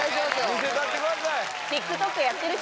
見せたってください